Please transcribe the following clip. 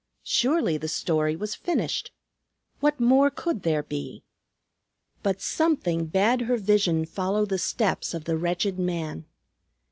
Surely the story was finished. What more could there be? But something bade her vision follow the steps of the wretched man.